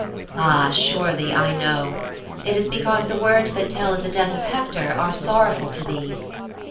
'Ah, surely I know. It is because the words that tell of the death of Hector are sorrowful to thee.'